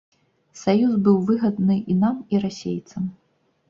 Саюз быў выгадны і нам, і расейцам.